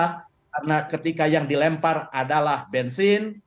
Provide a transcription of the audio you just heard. karena ketika yang dilempar adalah bensin